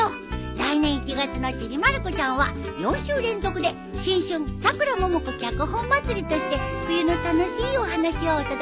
来年１月の『ちびまる子ちゃん』は４週連続で「新春！さくらももこ脚本まつり」として冬の楽しいお話をお届けするよ。